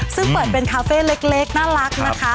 ซึ่งเปิดเป็นคาเฟ่เล็กน่ารักนะคะ